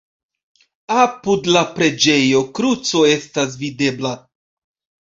Apud la preĝejo kruco estas videbla.